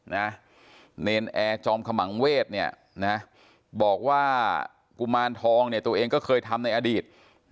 เนรนแอร์จอมขมังเวศเนี่ยนะบอกว่ากุมารทองเนี่ยตัวเองก็เคยทำในอดีต